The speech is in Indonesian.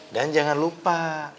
dan jangan lupa